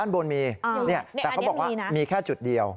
บนมีแต่เขาบอกว่ามีแค่จุดเดียว